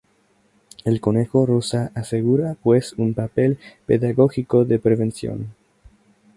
El conejo rosa asegura pues un papel pedagógico de prevención.